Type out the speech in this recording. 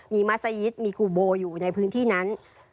มีมัศยิตมีกูโบอยู่ในพื้นที่นั้น